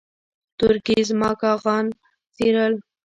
تورکي زما کاغذان څيرل.